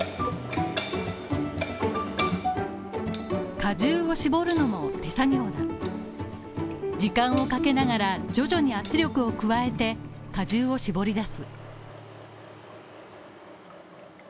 果汁を絞るのも手作業だ時間をかけながら徐々に圧力を加えて果汁を絞り出す。